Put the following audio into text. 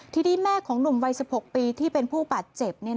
ทีนี้แม่ของหนุ่มวัย๑๖ปีที่เป็นผู้บาดเจ็บ